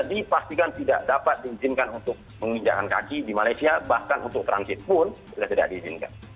dipastikan tidak dapat diizinkan untuk menginjakan kaki di malaysia bahkan untuk transit pun sudah tidak diizinkan